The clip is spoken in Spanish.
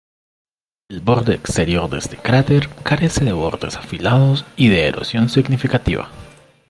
El borde exterior de este cráter carece de bordes afilados y de erosión significativa.